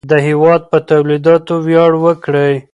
د هېواد په تولیداتو ویاړ وکړئ.